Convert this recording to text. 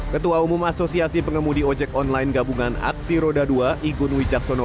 ketua umum asosiasi pengemudi ojek online gabungan aksi roda dua igun wijaksono